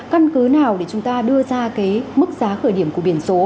căn cứ nào để chúng ta đưa ra cái mức giá khởi điểm của biển số